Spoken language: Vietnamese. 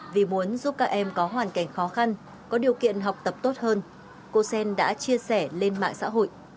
vì muốn giúp các em có hoàn cảnh khó khăn có điều kiện học tập tốt hơn cô sen đã chia sẻ lên mạng xã hội